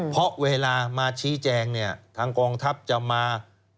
เพราะเวลามาชี้แจงเนี่ยทางกองทัพจะมา